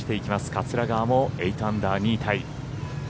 桂川も８アンダー、２位タイ。